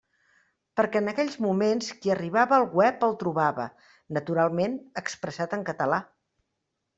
Perquè en aquells moments qui arribava al web el trobava, naturalment, expressat en català.